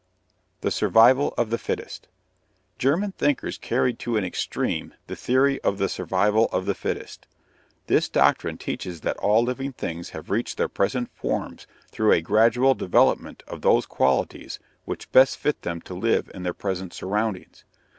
THE SURVIVAL OF THE FITTEST. German thinkers carried to an extreme the theory of the survival of the fittest. This doctrine teaches that all living things have reached their present forms through a gradual development of those qualities which best fit them to live in their present surroundings.